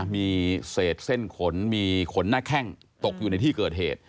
มีเศษเส้นขนมีขนหน้าแข้งตกอยู่ในที่เกิดเหตุ